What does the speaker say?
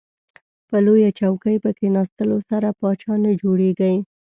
په لویه چوکۍ په کیناستلو سره پاچا نه جوړیږئ.